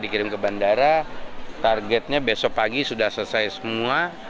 karena targetnya besok pagi sudah selesai semua